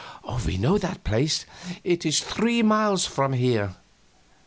"We know the place; it is three miles from here."